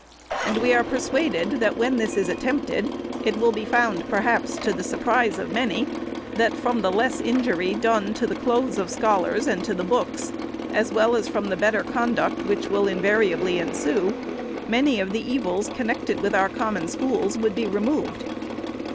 And we are persuaded, that, when this is attempted, it will be found, perhaps, to the surprise of many, that from the less injury done to the clothes of scholars and to the books, as well as from the better conduct which will invariably ensue, many of the evils, connected with our Common Schools, would be removed.